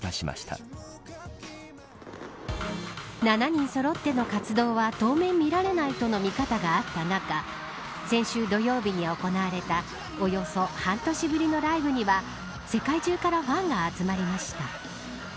７人そろっての活動は当面見られないとの見方があった中先週土曜日に行われたおよそ半年ぶりのライブには世界中からファンが集まりました。